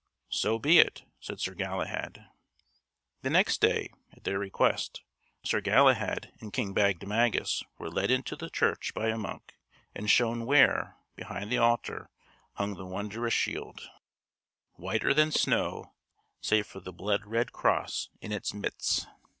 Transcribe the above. "So be it," said Sir Galahad. The next day, at their request, Sir Galahad and King Bagdemagus were led into the church by a monk and shown where, behind the altar, hung the wondrous shield, whiter than snow save for the blood red cross in its midst.